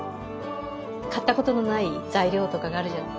買ったことのない材料とかがあるじゃない。